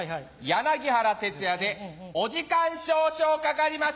柳原哲也でお時間少々かかります。